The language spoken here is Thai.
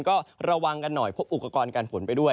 ก็ระวังกันหน่อยพบอุปกรณ์การฝนไปด้วย